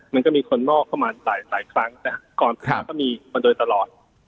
มันก็มีคนนอกออกมาต่างหลายครั้งจากก่อนก็ไม่ยอมได้ตลอด